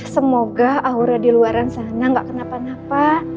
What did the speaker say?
semoga aura diluaran sana gak kenapa napa